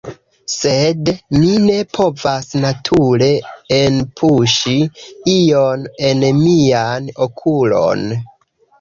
Sed mi ne povas nature enpuŝi ion en mian okulon